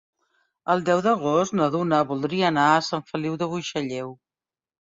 El deu d'agost na Duna voldria anar a Sant Feliu de Buixalleu.